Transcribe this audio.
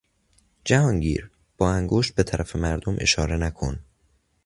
جهانگیر، با انگشت به طرف مردم اشاره نکن!